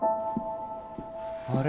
あれ？